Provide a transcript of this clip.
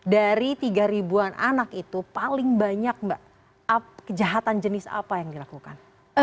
dari tiga ribuan anak itu paling banyak mbak kejahatan jenis apa yang dilakukan